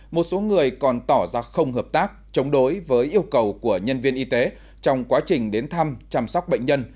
một số người còn tỏ ra không hợp tác chống đối với yêu cầu của nhân viên y tế trong quá trình đến thăm chăm sóc bệnh nhân